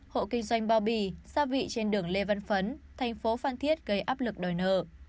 hộ kinh doanh bao bì xa vị trên đường lê văn phấn tp phan thiết gây áp lực đòi nợ